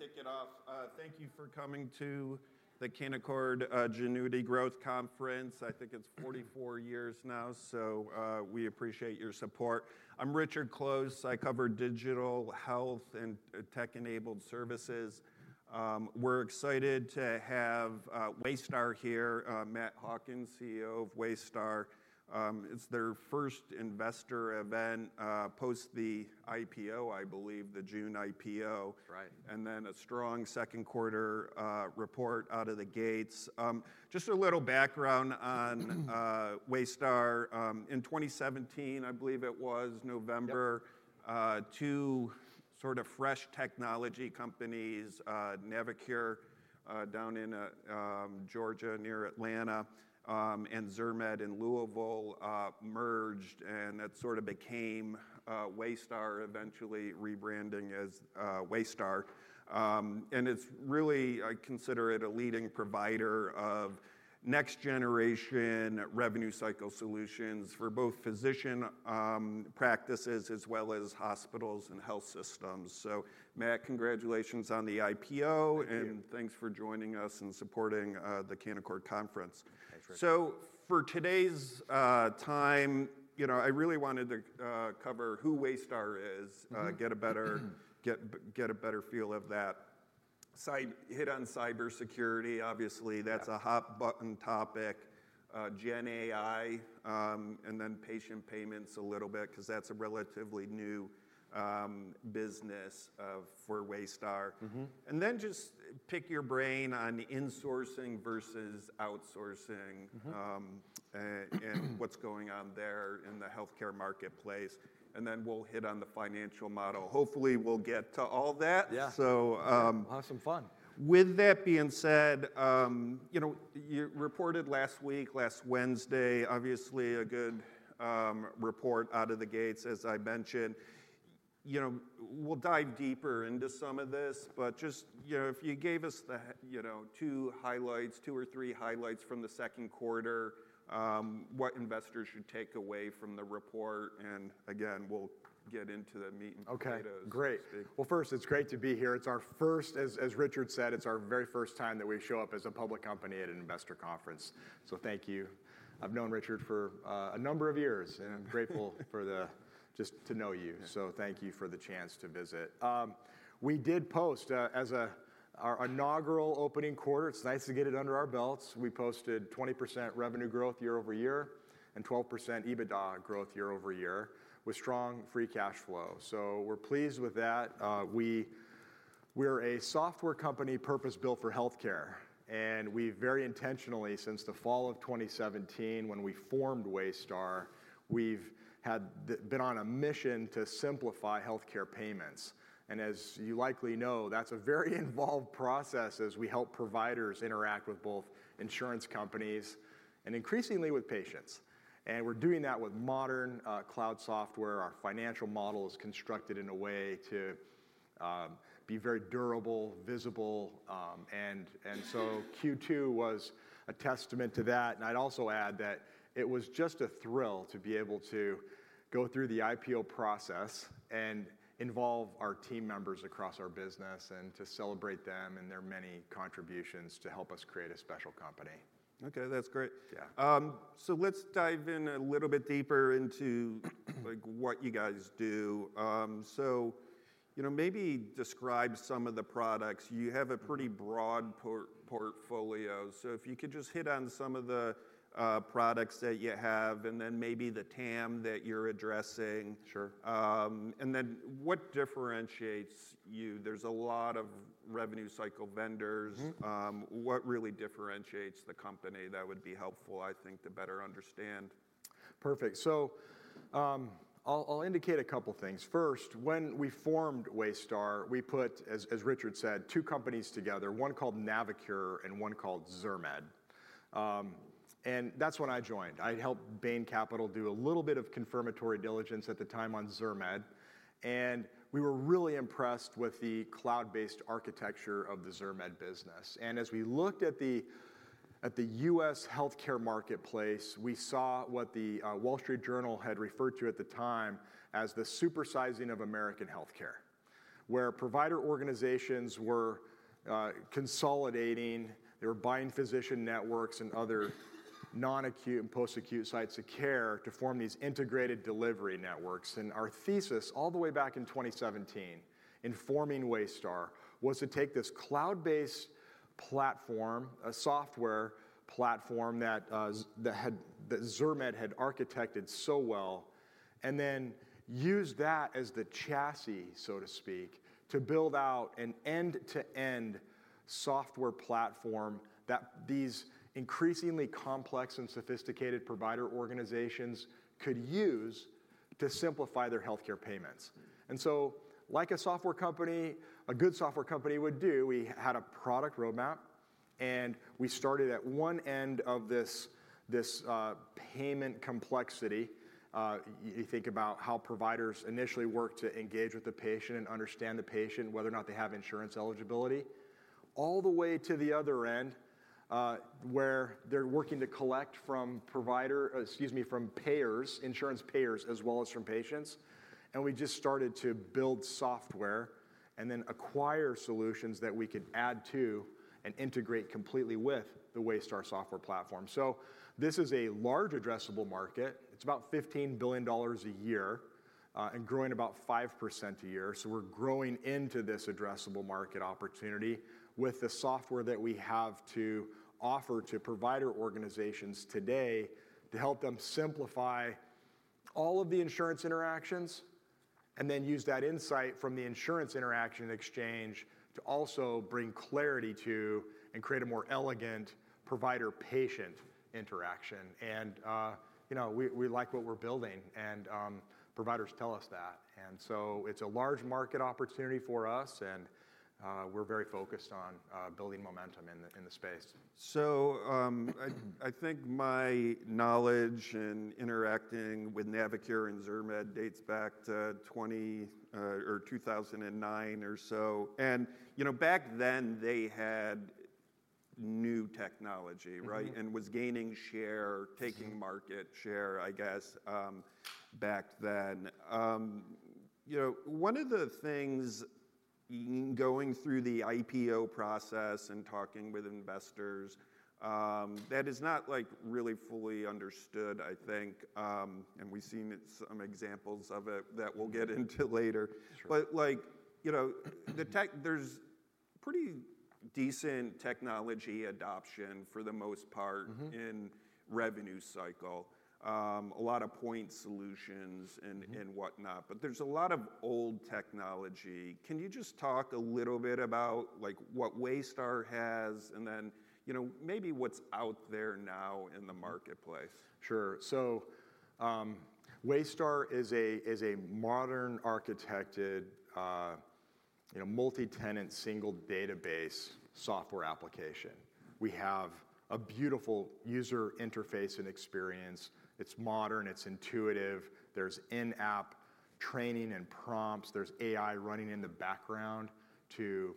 Great, we'll go ahead and kick it off. Thank you for coming to the Canaccord Genuity Growth Conference. I think it's 44 years now, so we appreciate your support. I'm Richard Close. I cover digital health and tech-enabled services. We're excited to have Waystar here, Matt Hawkins, CEO of Waystar. It's their first investor event post the IPO, I believe, the June IPO. And then a strong second quarter report out of the gates. Just a little background on Waystar. In 2017, I believe it was November two sort of fresh technology companies, Navicure, down in, Georgia, near Atlanta, and ZirMed in Louisville, merged, and it sort of became, Waystar, eventually rebranding as, Waystar.It's really, I consider it a leading provider of next-generation revenue cycle solutions for both physician practices as well as hospitals and health systems. So Matt, congratulations on the IPO-and thanks for joining us and supporting, the Canaccord Conference. Thanks, Richard. So for today's time, you know, I really wanted to cover who Waystar is, Get a better feel of that. Hit on cybersecurity, obviously that's a hot-button topic. GenAI, and then patient payments a little bit, 'cause that's a relatively new business of, for Waystar. Just pick your brain on insourcing versus outsourcing. and what's going on there in the healthcare marketplace, and then we'll hit on the financial model. Hopefully, we'll get to all that. So, with that being said, you know, you reported last week, last Wednesday, obviously a good report out of the gates, as I mentioned. You know, we'll dive deeper into some of this, but just, you know, if you gave us the you know, two highlights, two or three highlights from the second quarter, what investors should take away from the report, and again, we'll get into the meat and potatoes. Okay, great. Well, first, it's great to be here. It's our first, as Richard said, it's our very first time that we've shown up as a public company at an investor conference. So thank you. I've known Richard for a number of years, and I'm grateful for the just to know you. So thank you for the chance to visit. We did post, as our inaugural opening quarter, it's nice to get it under our belts. We posted 20% revenue growth year-over-year, and 12% EBITDA growth year-over-year, with strong free cash flow. So we're pleased with that. We're a software company purpose-built for healthcare, and we've very intentionally, since the fall of 2017, when we formed Waystar, we've been on a mission to simplify healthcare payments. And as you likely know, that's a very involved process, as we help providers interact with both insurance companies and increasingly with patients. And we're doing that with modern cloud software. Our financial model is constructed in a way to be very durable, visible, and so Q2 was a testament to that. I'd also add that it was just a thrill to be able to go through the IPO process and involve our team members across our business, and to celebrate them and their many contributions to help us create a special company. Okay, that's great. So let's dive in a little bit deeper, like, what you guys do. So, you know, maybe describe some of the products. You have a pretty broad portfolio, so if you could just hit on some of the products that you have, and then maybe the TAM that you're addressing. What differentiates you? There's a lot of revenue cycle vendors. What really differentiates the company? That would be helpful, I think, to better understand. Perfect. So, I'll indicate a couple things. First, when we formed Waystar, we put, as Richard said, two companies together, one called Navicure and one called ZirMed. And that's when I joined. I helped Bain Capital do a little bit of confirmatory diligence at the time on ZirMed, and we were really impressed with the cloud-based architecture of the ZirMed business. And as we looked at the U.S. healthcare marketplace, we saw what the Wall Street Journal had referred to at the time as the supersizing of American healthcare, where provider organizations were consolidating, they were buying physician networks and other non-acute and post-acute sites of care to form these integrated delivery networks. Our thesis, all the way back in 2017, in forming Waystar, was to take this cloud-based platform, a software platform that ZirMed had architected so well, and then use that as the chassis, so to speak, to build out an end-to-end software platform that these increasingly complex and sophisticated provider organizations could use to simplify their healthcare payments. So, like a software company, a good software company would do, we had a product roadmap, and we started at one end of this payment complexity. You think about how providers initially work to engage with the patient and understand the patient, whether or not they have insurance eligibility... all the way to the other end, where they're working to collect from provider, excuse me, from payers, insurance payers, as well as from patients. And we just started to build software and then acquire solutions that we could add to and integrate completely with the Waystar software platform. So this is a large addressable market. It's about $15 billion a year, and growing about 5% a year. So we're growing into this addressable market opportunity with the software that we have to offer to provider organizations today, to help them simplify all of the insurance interactions, and then use that insight from the insurance interaction exchange to also bring clarity to and create a more elegant provider-patient interaction. And, you know, we, we like what we're building, and, providers tell us that. And so it's a large market opportunity for us, and, we're very focused on, building momentum in the, in the space. So, I think my knowledge in interacting with Navicure and ZirMed dates back to 2009 or so. And, you know, back then, they had new technology, right? And was gaining share taking market share, I guess, back then. You know, one of the things in going through the IPO process and talking with investors, that is not, like, really fully understood, I think, and we've seen it, some examples of it that we'll get into later. But, like, you know, the tech-- there's pretty decent technology adoption for the most part in revenue cycle. A lot of point solutions and, and whatnot, but there's a lot of old technology. Can you just talk a little bit about, like, what Waystar has and then, you know, maybe what's out there now in the marketplace? Sure. So, Waystar is a modern architected, you know, multi-tenant, single database, software application. We have a beautiful user interface and experience. It's modern, it's intuitive, there's in-app training and prompts. There's AI running in the background to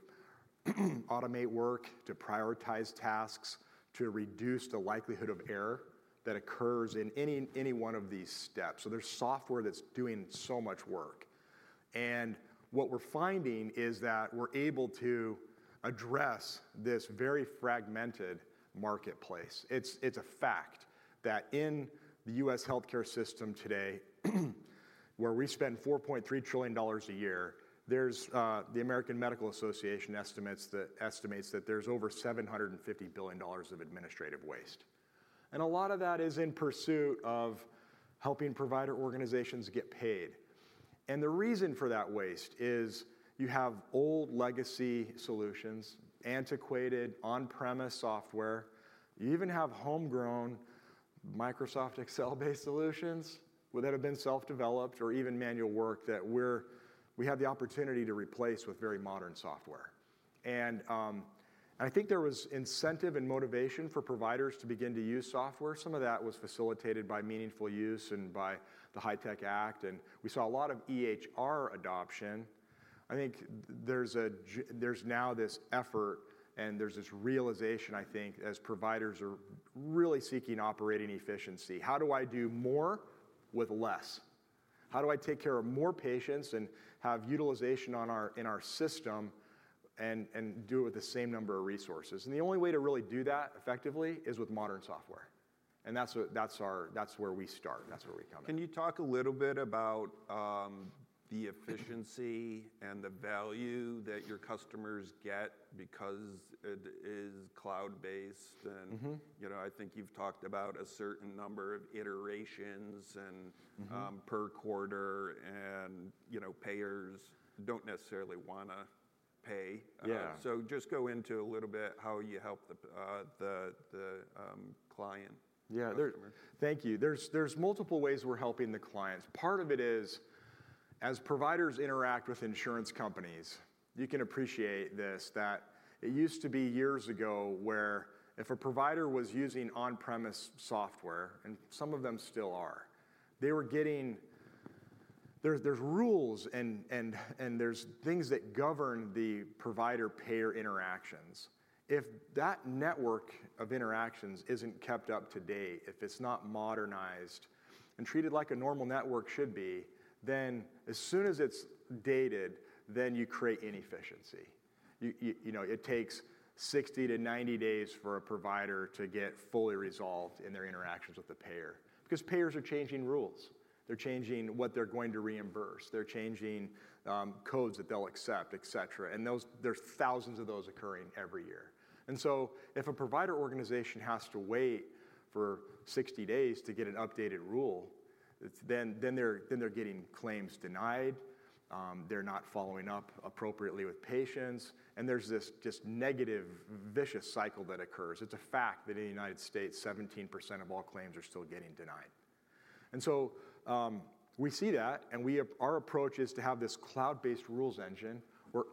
automate work, to prioritize tasks, to reduce the likelihood of error that occurs in any one of these steps. So there's software that's doing so much work, and what we're finding is that we're able to address this very fragmented marketplace. It's a fact that in the U.S. healthcare system today, where we spend $4.3 trillion a year, there's the American Medical Association estimates that there's over $750 billion of administrative waste. And a lot of that is in pursuit of helping provider organizations get paid. The reason for that waste is you have old legacy solutions, antiquated on-premise software. You even have homegrown Microsoft Excel-based solutions, that have been self-developed, or even manual work that we have the opportunity to replace with very modern software. And I think there was incentive and motivation for providers to begin to use software. Some of that was facilitated by Meaningful Use and by the HITECH Act, and we saw a lot of EHR adoption. I think there's now this effort, and there's this realization, I think, as providers are really seeking operating efficiency: How do I do more with less? How do I take care of more patients and have utilization in our system and do it with the same number of resources? And the only way to really do that effectively is with modern software. And that's our, that's where we start, and that's where we come in. Can you talk a little bit about the efficiency and the value that your customers get because it is cloud-based, and you know, I think you've talked about a certain number of iterations and, per quarter, and, you know, payers don't necessarily wanna pay. So, just go into a little bit how you help the client. Customer. Thank you. There's multiple ways we're helping the clients. Part of it is, as providers interact with insurance companies, you can appreciate this, that it used to be, years ago, where if a provider was using on-premise software, and some of them still are, they were getting... There are rules and there are things that govern the provider-payer interactions. If that network of interactions isn't kept up to date, if it's not modernized and treated like a normal network should be, then as soon as it's dated, then you create inefficiency. You know, it takes 60-90 days for a provider to get fully resolved in their interactions with the payer because payers are changing rules. They're changing what they're going to reimburse. They're changing codes that they'll accept, et cetera, and there are thousands of those occurring every year. And so if a provider organization has to wait for 60 days to get an updated rule, it's. Then they're getting claims denied. They're not following up appropriately with patients, and there's this just negative, vicious cycle that occurs. It's a fact that in the United States, 17% of all claims are still getting denied. And so we see that, and we have our approach is to have this cloud-based rules engine, where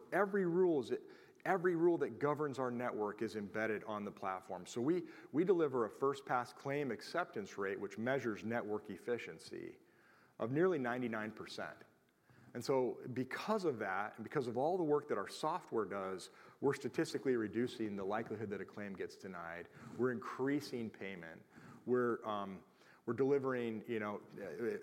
every rule that governs our network is embedded on the platform. So we deliver a first-pass claim acceptance rate, which measures network efficiency, of nearly 99%. And so because of that, and because of all the work that our software does, we're statistically reducing the likelihood that a claim gets denied. We're increasing payment. We're delivering, you know,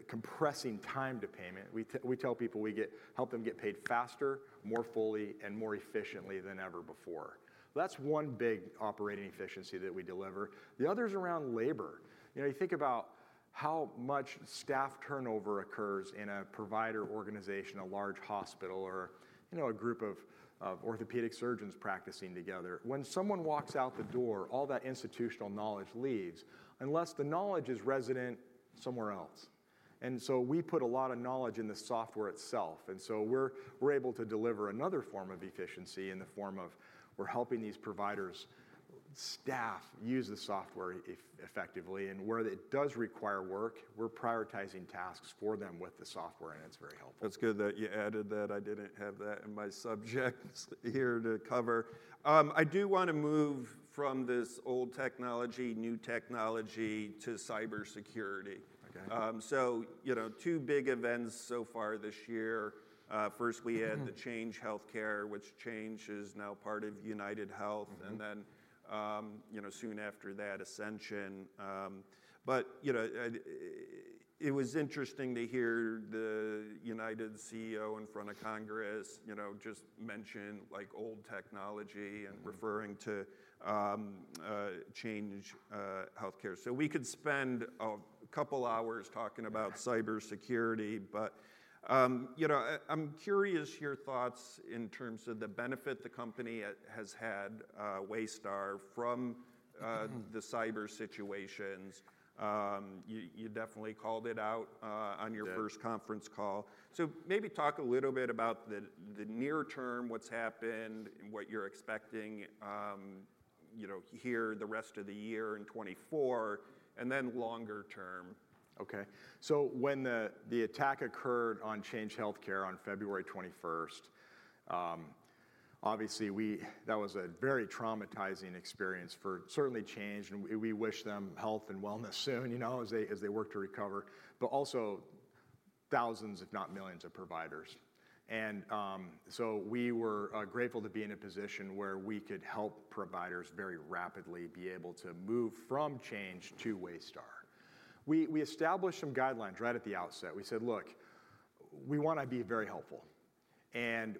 compressing time to payment. We tell people we help them get paid faster, more fully, and more efficiently than ever before. That's one big operating efficiency that we deliver. The other is around labor. You know, you think about how much staff turnover occurs in a provider organization, a large hospital, or, you know, a group of orthopedic surgeons practicing together. When someone walks out the door, all that institutional knowledge leaves, unless the knowledge is resident somewhere else. And so we put a lot of knowledge in the software itself, and so we're able to deliver another form of efficiency in the form of we're helping these providers' staff use the software effectively, and where it does require work, we're prioritizing tasks for them with the software, and it's very helpful. That's good that you added that. I didn't have that in my subjects here to cover. I do want to move from this old technology, new technology to cybersecurity. You know, two big events so far this year. First, we had the Change Healthcare, which Change is now part of UnitedHealth. And then, you know, soon after that, Ascension. But, you know, it was interesting to hear the UnitedHealth Group CEO in front of Congress, you know, just mention, like, old technology, and referring to Change Healthcare. So we could spend a couple hours talking about cybersecurity, but, you know, I'm curious your thoughts in terms of the benefit the company has had, Waystar, from the cyber situations. You definitely called it out, on your first conference call. Maybe talk a little bit about the near term, what's happened, and what you're expecting, you know, here, the rest of the year in 2024, and then longer term. Okay. So when the attack occurred on Change Healthcare on February 21st, obviously that was a very traumatizing experience for certainly Change, and we wish them health and wellness soon, you know, as they work to recover, but also thousands, if not millions, of providers. So we were grateful to be in a position where we could help providers very rapidly be able to move from Change to Waystar. We established some guidelines right at the outset. We said: Look, we want to be very helpful, and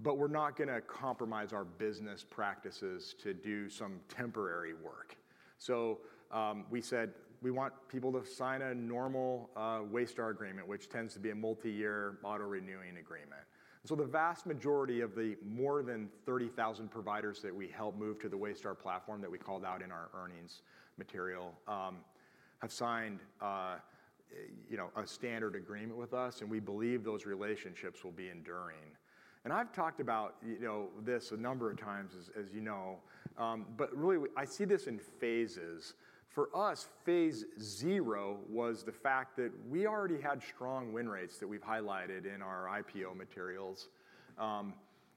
but we're not gonna compromise our business practices to do some temporary work. So we said: We want people to sign a normal Waystar agreement, which tends to be a multi-year, auto-renewing agreement. So the vast majority of the more than 30,000 providers that we helped move to the Waystar platform, that we called out in our earnings material, have signed, you know, a standard agreement with us, and we believe those relationships will be enduring. I've talked about, you know, this a number of times, as you know, but really, I see this in phases. For us, phase zero was the fact that we already had strong win rates that we've highlighted in our IPO materials,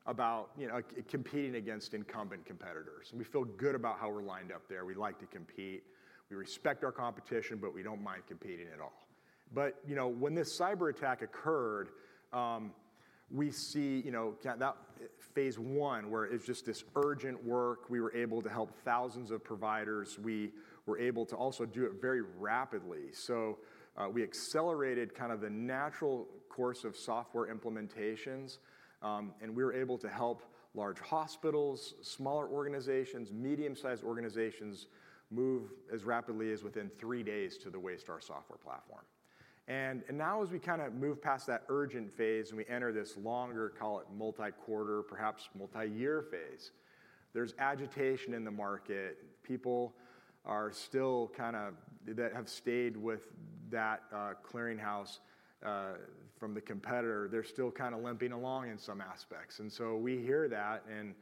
about, you know, competing against incumbent competitors, and we feel good about how we're lined up there. We like to compete. We respect our competition, but we don't mind competing at all. But, you know, when this cyberattack occurred, we see, you know, that phase one, where it's just this urgent work, we were able to help thousands of providers. We were able to also do it very rapidly. So, we accelerated kind of the natural course of software implementations, and we were able to help large hospitals, smaller organizations, medium-sized organizations, move as rapidly as within three days to the Waystar software platform. And now, as we kind of move past that urgent phase, and we enter this longer, call it multi-quarter, perhaps multi-year phase, there's agitation in the market. People are still kind of. That have stayed with that clearinghouse from the competitor, they're still kind of limping along in some aspects. And so we hear that, and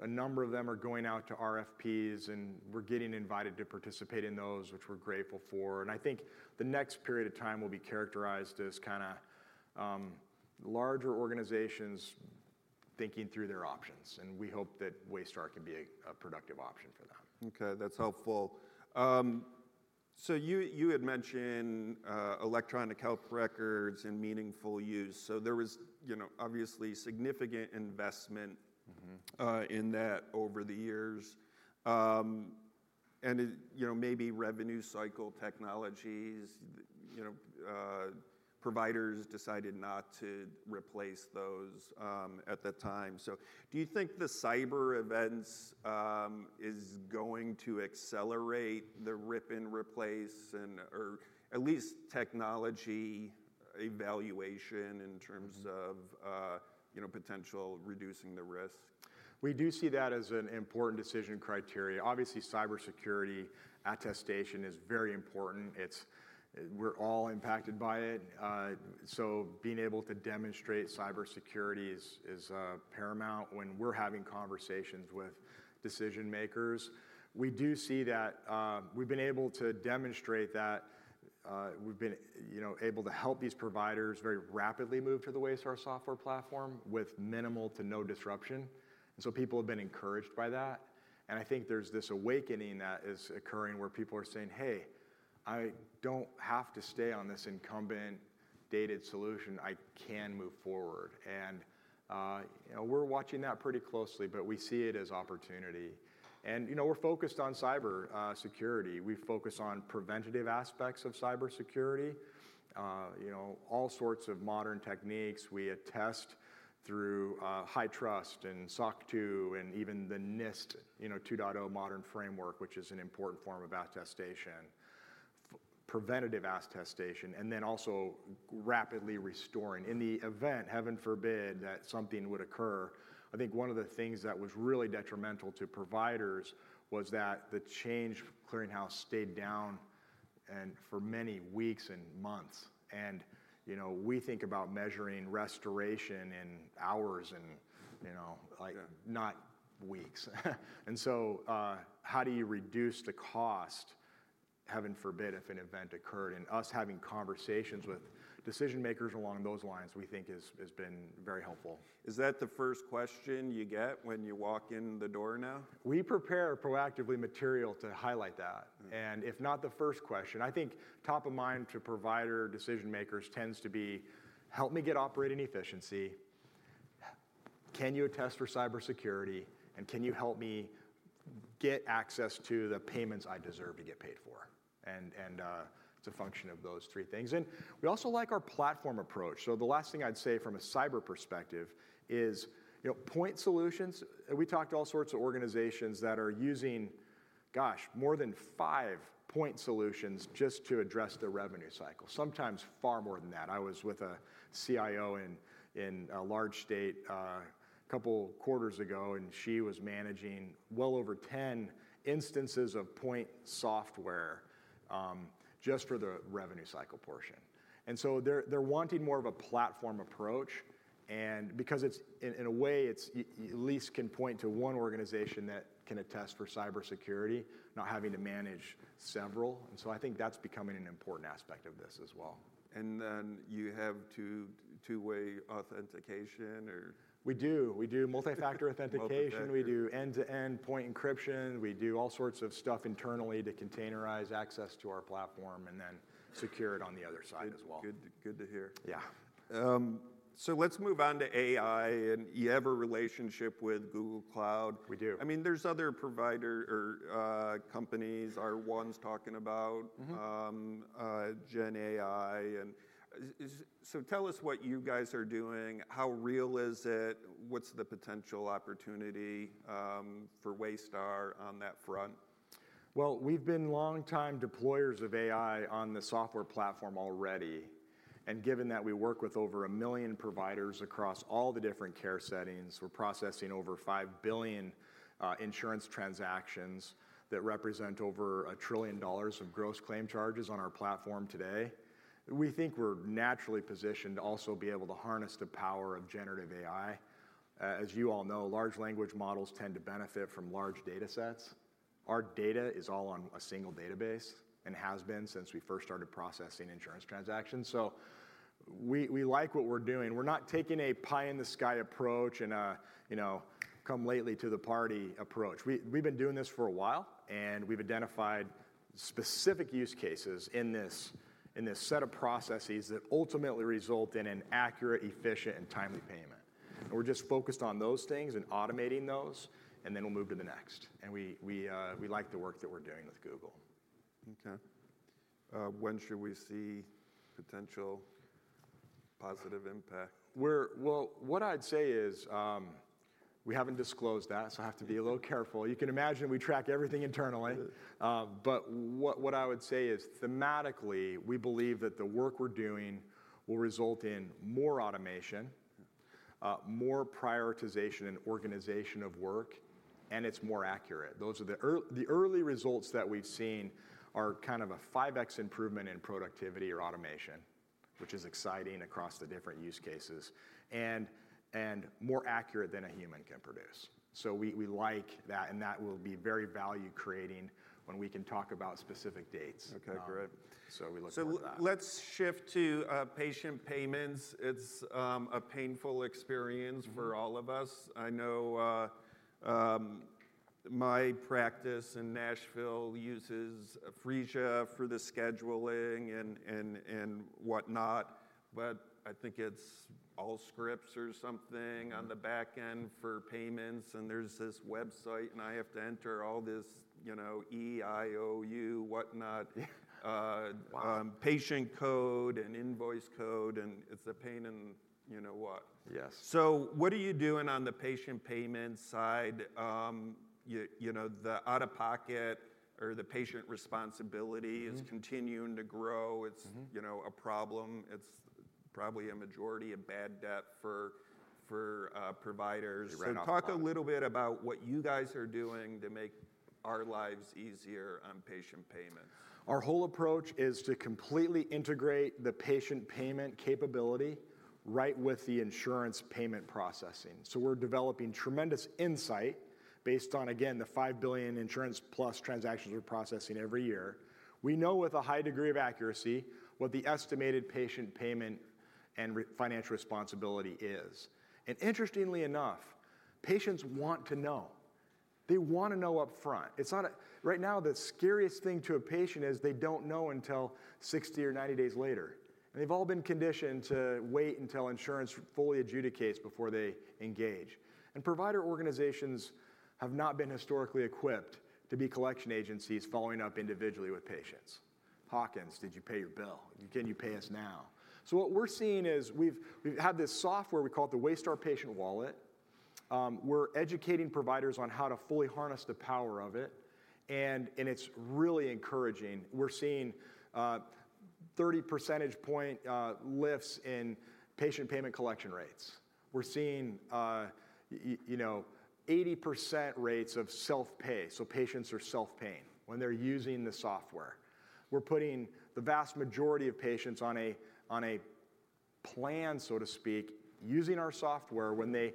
a number of them are going out to RFPs, and we're getting invited to participate in those, which we're grateful for. And I think the next period of time will be characterized as kind of, larger organizations thinking through their options, and we hope that Waystar can be a productive option for them. Okay, that's helpful. So you had mentioned electronic health records and Meaningful Use. So there was, you know, obviously significant investment in that over the years. And it, you know, maybe revenue cycle technologies, you know, providers decided not to replace those, at that time. So do you think the cyber events is going to accelerate the rip and replace and, or at least technology evaluation in terms of, you know, potential reducing the risk? We do see that as an important decision criteria. Obviously, cybersecurity attestation is very important. It's. We're all impacted by it, so being able to demonstrate cybersecurity is paramount when we're having conversations with decision-makers. We do see that. We've been able to demonstrate that, we've been, you know, able to help these providers very rapidly move to the Waystar software platform with minimal to no disruption, and so people have been encouraged by that. And I think there's this awakening that is occurring, where people are saying. "Hey, I don't have to stay on this incumbent dated solution. I can move forward. And, you know, we're watching that pretty closely, but we see it as opportunity. And, you know, we're focused on cybersecurity. We focus on preventative aspects of cybersecurity. You know, all sorts of modern techniques. We attest through HITRUST and SOC 2, and even the NIST, you know, 2.0 modern framework, which is an important form of attestation, preventative attestation, and then also rapidly restoring. In the event, heaven forbid, that something would occur, I think one of the things that was really detrimental to providers was that the Change clearinghouse stayed down, and for many weeks and months. And, you know, we think about measuring restoration in hours and, you know like, not weeks. And so, how do you reduce the cost, heaven forbid, if an event occurred? And us having conversations with decision-makers along those lines, we think has been very helpful. Is that the first question you get when you walk in the door now? We prepare proactively material to highlight that. And if not the first question, I think top of mind to provider decision-makers tends to be: Help me get operating efficiency, can you attest for cybersecurity, and can you help me get access to the payments I deserve to get paid for? And, and, it's a function of those three things. And we also like our platform approach. So the last thing I'd say from a cyber perspective is, you know, point solutions, we talk to all sorts of organizations that are using, gosh, more than 5 point solutions just to address their revenue cycle, sometimes far more than that. I was with a CIO in a large state, couple quarters ago, and she was managing well over 10 instances of point software, just for the revenue cycle portion. And so they're wanting more of a platform approach, and because it's. In a way, it's at least can point to one organization that can attest for cybersecurity, not having to manage several. And so I think that's becoming an important aspect of this as well. And then you have two, two-way authentication, or? We do. We do multi-factor authentication. We do end-to-end point encryption. We do all sorts of stuff internally to containerize access to our platform, and then secure it on the other side as well. Good, good to hear. Let's move on to AI, and you have a relationship with Google Cloud. I mean, there's other provider or companies, R1's talking about GenAI. And so tell us what you guys are doing, how real is it? What's the potential opportunity, for Waystar on that front? Well, we've been longtime deployers of AI on the software platform already. Given that we work with over 1 million providers across all the different care settings, we're processing over 5 billion insurance transactions that represent over $1 trillion of gross claim charges on our platform today. We think we're naturally positioned to also be able to harness the power of generative AI. As you all know, large language models tend to benefit from large data sets. Our data is all on a single database and has been since we first started processing insurance transactions, so we, we like what we're doing. We're not taking a pie-in-the-sky approach and a, you know, come-lately to the party approach. We've been doing this for a while, and we've identified specific use cases in this set of processes that ultimately result in an accurate, efficient, and timely payment. And we're just focused on those things and automating those, and then we'll move to the next. And we like the work that we're doing with Google. Okay. When should we see potential positive impact? Well, what I'd say is, we haven't disclosed that, so I have to be a little careful. You can imagine we track everything internally. But what, what I would say is, thematically, we believe that the work we're doing will result in more automation more prioritization and organization of work, and it's more accurate. Those are the early results that we've seen are kind of a 5x improvement in productivity or automation, which is exciting across the different use cases, and more accurate than a human can produce. So we like that, and that will be very value-creating when we can talk about specific dates. Okay, great. So, we look forward to that. So let's shift to patient payments. It's a painful experience for all of us. I know, my practice in Nashville uses Phreesia for the scheduling and whatnot, but I think it's Allscripts or something. on the back end for payments, and there's this website, and I have to enter all this, you know, E-I-O-U, whatnot, patient code and invoice code, and it's a pain in, you know what. So what are you doing on the patient payment side? You know, the out-of-pocket or the patient responsibility is continuing to grow. It's, you know, a problem. It's probably a majority of bad debt for providers. Talk a little bit about what you guys are doing to make our lives easier on patient payments? Our whole approach is to completely integrate the patient payment capability right with the insurance payment processing. So we're developing tremendous insight based on, again, the 5 billion insurance plus transactions we're processing every year. We know with a high degree of accuracy what the estimated patient payment and remaining financial responsibility is. And interestingly enough, patients want to know. They wanna know upfront. It's not, right now, the scariest thing to a patient is they don't know until 60 or 90 days later. They've all been conditioned to wait until insurance fully adjudicates before they engage. And provider organizations have not been historically equipped to be collection agencies following up individually with patients. "Hawkins, did you pay your bill? Can you pay us now?" So what we're seeing is, we've had this software, we call it the Waystar Patient Wallet. We're educating providers on how to fully harness the power of it, and it's really encouraging. We're seeing 30 percentage point lifts in patient payment collection rates. We're seeing you know, 80% rates of self-pay, so patients are self-paying when they're using the software. We're putting the vast majority of patients on a plan, so to speak, using our software, when they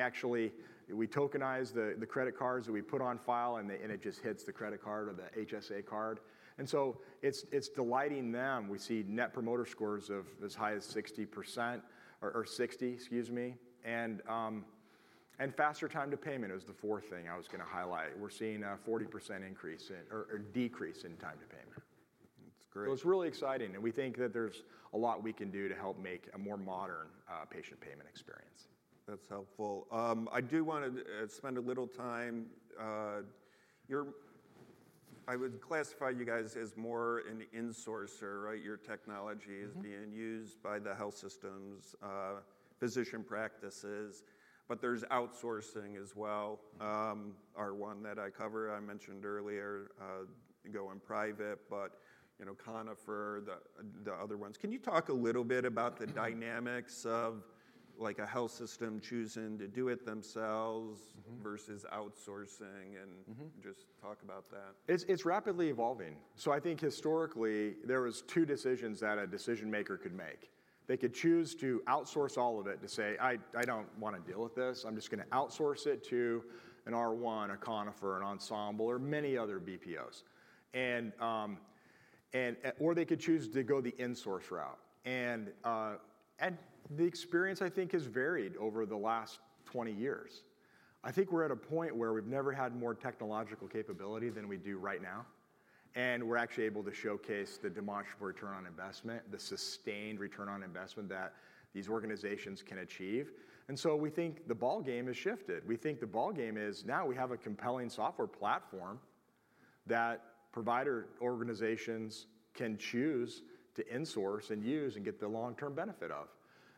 actually... We tokenize the credit cards that we put on file, and then it just hits the credit card or the HSA card, and so it's delighting them. We see Net Promoter Scores of as high as 60%, or 60, excuse me, and faster time to payment is the fourth thing I was gonna highlight. We're seeing a 40% increase in, or decrease in time to payment. That's great. So it's really exciting, and we think that there's a lot we can do to help make a more modern, patient payment experience. That's helpful. I do want to spend a little time. I would classify you guys as more an insourcer, right? Your technology is being used by the health systems, physician practices, but there's outsourcing as well. R1 that I cover, I mentioned earlier, going private, but, you know, Conifer, the other ones. Can you talk a little bit about the dynamics of, like, a health system choosing to do it themselves versus outsourcing, andjust talk about that. It's rapidly evolving. So I think historically, there was two decisions that a decision-maker could make. They could choose to outsource all of it, to say, "I don't want to deal with this. I'm just gonna outsource it to an R1, a Conifer, an Ensemble, or many other BPOs." Or they could choose to go the insource route, and the experience, I think, has varied over the last 20 years. I think we're at a point where we've never had more technological capability than we do right now, and we're actually able to showcase the demonstrable return on investment, the sustained return on investment that these organizations can achieve, and so we think the ball game has shifted. We think the ball game is, now we have a compelling software platform that provider organizations can choose to insource and use and get the long-term benefit of.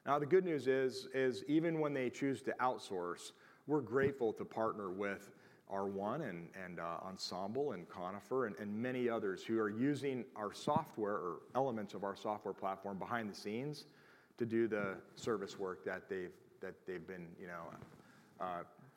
Now, the good news is, is even when they choose to outsource, we're grateful to partner with R1 and, and, Ensemble and Conifer, and, and many others who are using our software or elements of our software platform behind the scenes to do the service work that they've, that they've been, you know,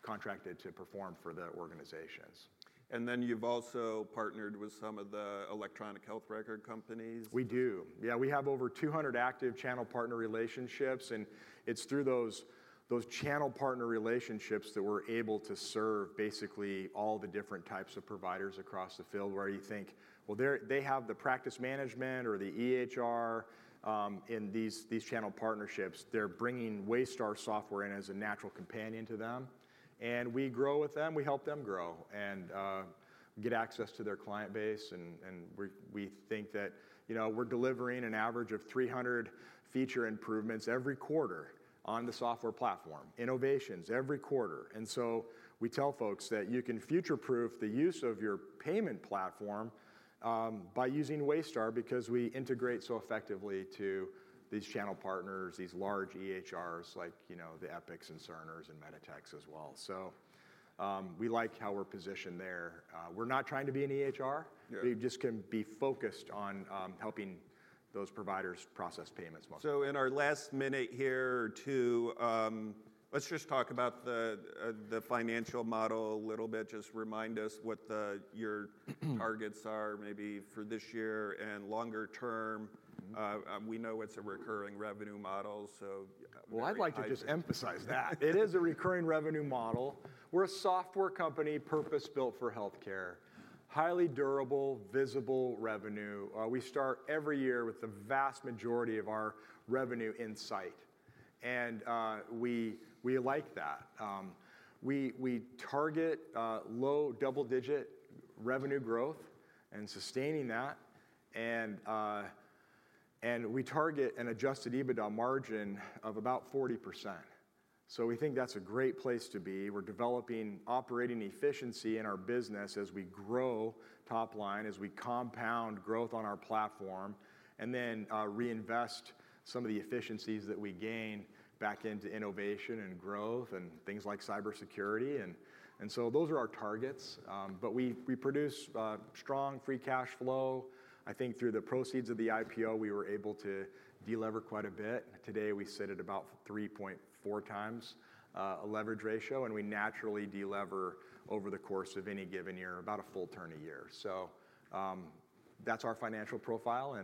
contracted to perform for the organizations. And then you've also partnered with some of the electronic health record companies? We do. Yeah, we have over 200 active channel partner relationships, and it's through those channel partner relationships that we're able to serve basically all the different types of providers across the field, where you think, well, they have the practice management or the EHR in these channel partnerships. They're bringing Waystar software in as a natural companion to them, and we grow with them, we help them grow and get access to their client base. And we're, we think that, you know, we're delivering an average of 300 feature improvements every quarter on the software platform, innovations every quarter. And so we tell folks that you can future-proof the use of your payment platform by using Waystar, because we integrate so effectively to these channel partners, these large EHRs, like, you know, the Epics and Cerner and MEDITECH as well. So, we like how we're positioned there. We're not trying to be an EHR. We just can be focused on, helping those providers process payments more. So in our last minute here, too, let's just talk about the financial model a little bit. Just remind us what your targets are, maybe for this year and longer term. We know it's a recurring revenue model, so. Well, I'd like to just emphasize that. It is a recurring revenue model. We're a software company, purpose-built for healthcare. Highly durable, visible revenue. We start every year with the vast majority of our revenue in sight, and we like that. We target low double-digit revenue growth and sustaining that, and we target an Adjusted EBITDA margin of about 40%. So we think that's a great place to be. We're developing operating efficiency in our business as we grow top line, as we compound growth on our platform, and then reinvest some of the efficiencies that we gain back into innovation and growth and things like cybersecurity. And so those are our targets, but we produce strong, free cash flow. I think through the proceeds of the IPO, we were able to de-lever quite a bit. Today, we sit at about 3.4 times a leverage ratio, and we naturally de-lever over the course of any given year, about a full turn a year. So, that's our financial profile,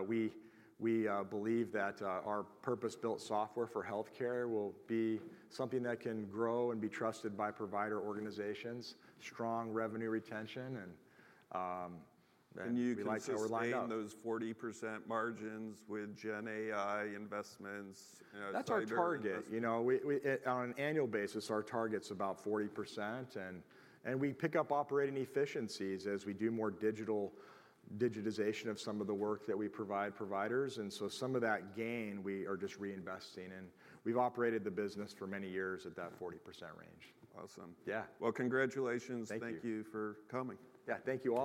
and we believe that our purpose-built software for healthcare will be something that can grow and be trusted by provider organizations, strong revenue retention, and we like how we're lined up. Can you sustain those 40% margins with gen AI investments, you know, cyber-? That's our target. You know, we on an annual basis, our target's about 40%, and we pick up operating efficiencies as we do more digital, digitization of some of the work that we provide providers, and so some of that gain, we are just reinvesting, and we've operated the business for many years at that 40% range. Awesome. Yeah. Well, congratulations. Thank you. Thank you for coming. Yeah. Thank you, all.